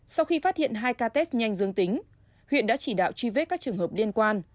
sau khi phát hiện hai ca test nhanh dương tính huyện đã chỉ đạo truy vết các trường hợp liên quan